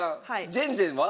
ジェンジェンは？